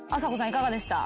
いかがでした？